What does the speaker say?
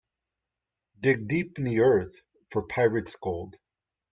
Dig deep in the earth for pirate's gold.